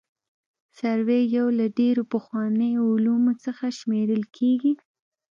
سروې یو له ډېرو پخوانیو علومو څخه شمېرل کیږي